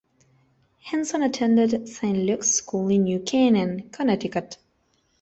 Henson attended Saint Luke's School in New Canaan, Connecticut.